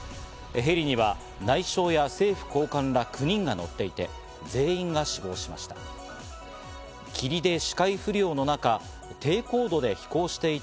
ヘリには内相や政府高官ら９人が乗っていて全員が死亡しました。